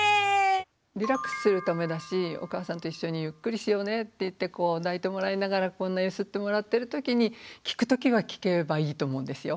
リラックスするためだしお母さんと一緒にゆっくりしようねっていって抱いてもらいながらこんな揺すってもらってるときに聞くときは聞ければいいと思うんですよ。